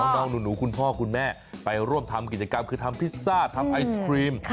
น้องหนูคุณพ่อคุณแม่ไปร่วมทำกิจกรรมคือทำพิซซ่าทำไอศครีม